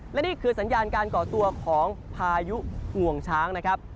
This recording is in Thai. และนี่คือสัญญาณการก่อตัวของพายุงวงช้างนะครับ